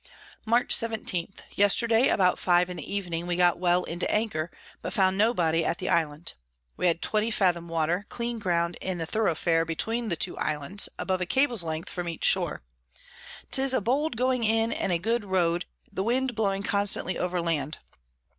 Mar. 17. Yesterday about five in the Evening we got well into anchor, but found no body at the Island. We had 20 fathom Water, clean Ground in the Thorow fair between the two Islands, above a Cable's length from each Shore. 'Tis a bold going in and a good Road, the Wind blowing constantly over Land.